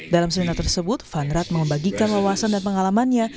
dalam seminar tersebut van rad membagikan wawasan dan pengalamannya